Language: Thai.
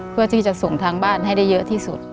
เพื่อที่จะส่งทางบ้านให้ได้เยอะที่สุด